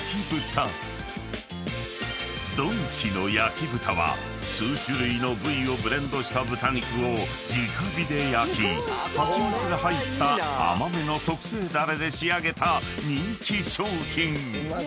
［ドンキの焼豚は数種類の部位をブレンドした豚肉を直火で焼きハチミツが入った甘めの特製ダレで仕上げた人気商品］